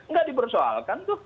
nggak dipersoalkan tuh